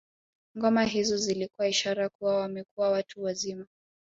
Ngoma hizo zilikuwa ishara kuwa wamekuwa watu wazima